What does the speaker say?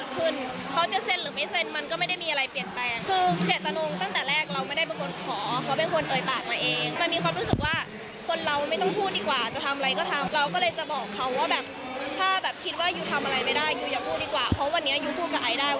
เพราะวันนี้ยูพูดกับไอได้วันหนึ่งยูก็จะพูดกับลูก